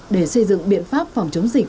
để xây dựng biện pháp phòng chống dịch